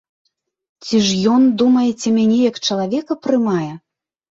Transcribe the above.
Ці ж ён, думаеце, мяне як чалавека прымае?